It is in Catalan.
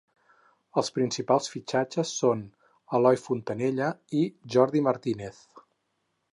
Els principals fitxatges són Eloi Fontanella i Jordi Martínez.